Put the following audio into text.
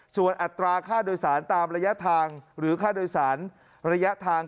ส่วนอัตราค่าโดยสารตามระยะทางหรือค่าโดยสารระยะทาง